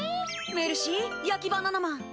メルシー焼きバナナマン。